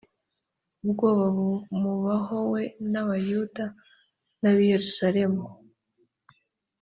ubwoba bumubaho we n’abayuda n‘ab’ i yerusalemu